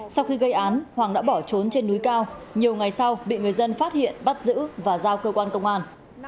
sau khi gây án hoàng đã bỏ trốn trên núi cao nhiều ngày sau bị người dân phát hiện bắt giữ và giao cơ quan công an